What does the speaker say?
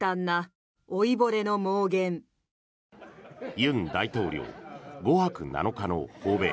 尹大統領、５泊７日の訪米。